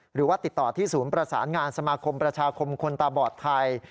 หรือว่าติดต่อที่ศูนย์ประสานงานสมาคมประชาคมคนตาบอดไทย